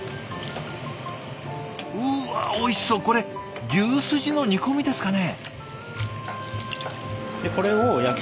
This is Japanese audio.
うわおいしそうこれ牛スジの煮込みですかね。